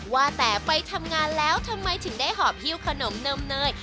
ว่าแต่ไปทำงานแล้วทำไมถึงได้หอบหิ้วขนมเนมเนย